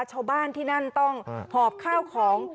ชาวบ้านที่นั่นต้องหอบข้าวของ